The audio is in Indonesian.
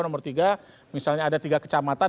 nomor tiga misalnya ada tiga kecamatan